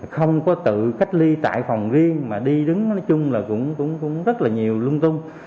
không có tự cách ly tại phòng riêng mà đi đứng nói chung là cũng rất là nhiều lung tung